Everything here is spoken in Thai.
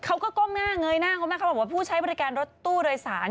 ก้มหน้าเงยหน้าก้มหน้าเขาบอกว่าผู้ใช้บริการรถตู้โดยสาร